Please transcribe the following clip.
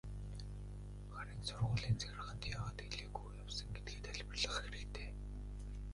Харин сургуулийн захиргаанд яагаад хэлээгүй явсан гэдгээ тайлбарлах хэрэгтэй.